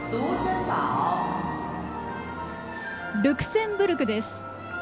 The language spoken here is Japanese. ルクセンブルクです。